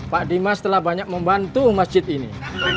pak dimas telah banyak membantu masjid ini